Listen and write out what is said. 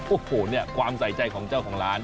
โอ้โหเนี่ยความใส่ใจของเจ้าของร้าน